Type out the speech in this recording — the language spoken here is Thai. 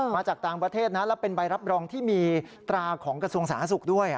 มาจากต่างประเทศนะแล้วเป็นใบรับรองที่มีตราของกระทรวงสาธารณสุขด้วย